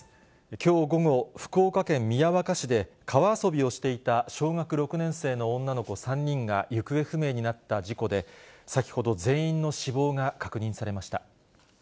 きょう午後、福岡県宮若市で川遊びをしていた小学６年生の女の子３人が行方不明になった事故で、先ほど、全員の死亡が確認されました。